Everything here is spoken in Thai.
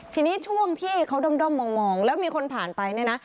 ทีนี้ช่วงที่เขาด้อมมองแล้วมีคนผ่านไปเนี่ยนะ